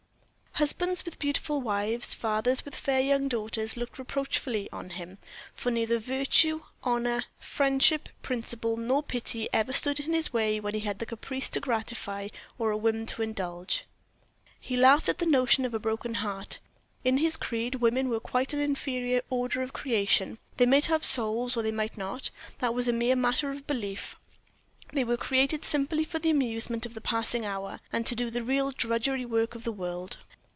Husbands with beautiful wives, fathers with fair young daughters, looked reproachfully on him, for neither virtue, honor, friendship, principle, nor pity, ever stood in his way when he had a caprice to gratify or a whim to indulge. He laughed at the notion of a broken heart. In his creed, women were quite an inferior order of creation they might have souls or they might not, that was a mere matter of belief they were created simply for the amusement of the passing hour, and to do the real drudgery work of the world.